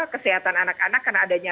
kesehatan anak anak karena adanya